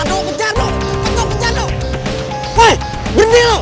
oke babu yang habis nih